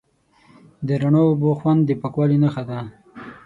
د رڼو اوبو خوند د پاکوالي نښه ده.